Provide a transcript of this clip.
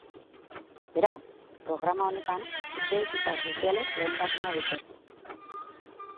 Beraz, programa honetan etxebizitza sozialek lehentasuna dute.